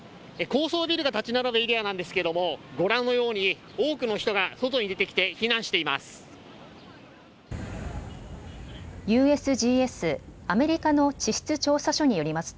高層ビルが建ち並ぶエリアなんですけどもご覧のように多くの人が外に出てきて避難しています。